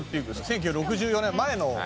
１９６４年前の。